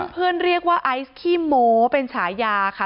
เพื่อนเรียกว่าไอซ์ขี้โม้เป็นฉายาค่ะ